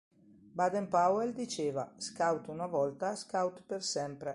Baden-Powell diceva "Scout una volta, scout per sempre".